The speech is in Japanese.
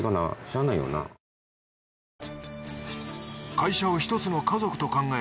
会社を一つの家族と考え